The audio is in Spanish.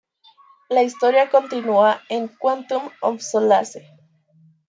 La historia continúa en "Quantum of Solace".